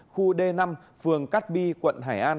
khu d năm phường cát bi quận hải an